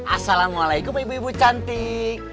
assalamualaikum ibu ibu cantik